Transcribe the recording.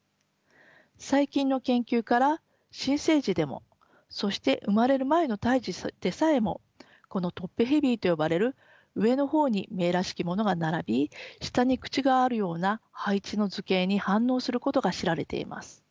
最近の研究から新生児でもそして生まれる前の胎児でさえもこのトップヘビーと呼ばれる上の方に目らしきものが並び下に口があるような配置の図形に反応することが知られています。